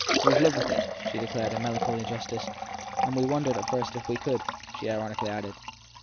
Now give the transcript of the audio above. We ve lived with it/ she declared in melancholy justice. And we wondered at first if we could ! she ironically added.